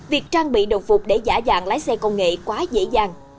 việc trang bị đồng phục để giả dạng lái xe công nghệ quá dễ dàng